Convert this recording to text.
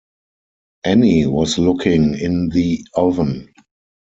Annie was looking in the oven.